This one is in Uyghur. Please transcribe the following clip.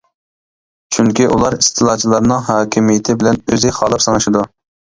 چۈنكى، ئۇلار ئىستېلاچىلارنىڭ ھاكىمىيىتى بىلەن ئۆزى خالاپ سىڭىشىدۇ.